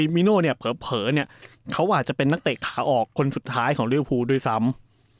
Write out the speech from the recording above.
มิโน่เนี่ยเผลอเนี่ยเขาอาจจะเป็นนักเตะขาออกคนสุดท้ายของลิวภูด้วยซ้ำ